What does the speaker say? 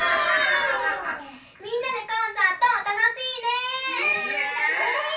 みんなでコンサートたのしいね！